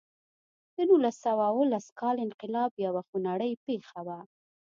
د نولس سوه اوولس کال انقلاب یوه خونړۍ پېښه وه.